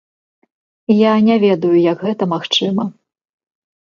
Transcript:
Я не ведаю, як гэта магчыма.